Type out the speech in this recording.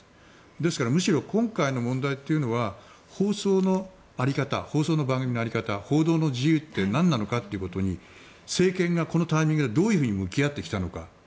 ですから、むしろ今回の問題というのは放送の在り方放送の番組の在り方報道の自由って何なのかということに政権がこのタイミングでどう向き合ってきたのか。